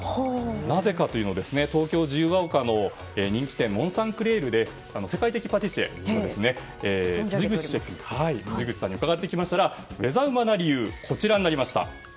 なぜかというのを東京・自由が丘の人気店モンサンクレールで世界的パティシエの辻口さんに伺ってきたらウェザうまな理由はこちらです。